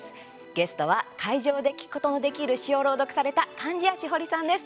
ゲストは、会場で聴くことのできる詩を朗読された貫地谷しほりさんです。